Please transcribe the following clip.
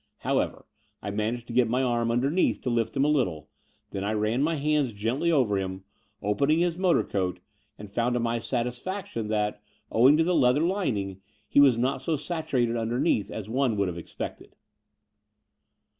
However, I managed to get my arm xmdemeath to lift him a little. Then I ran my hands gently over him, opening his motor coat, and fotmd to my satisfac tion that, owing to the leather lining, he was not so saturated tmderneath as one would have ex pected.